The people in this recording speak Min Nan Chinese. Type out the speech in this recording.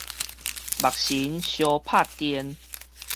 目神相拍電